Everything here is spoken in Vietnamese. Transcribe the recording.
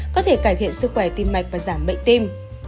có thể cải thiện sức khỏe tim mạch và giảm bệnh tim